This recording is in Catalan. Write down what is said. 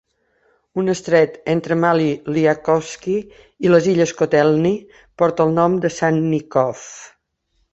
Un estret entre Maly Lyakhovsky i les illes Kotelny porta el nom de Sannikov.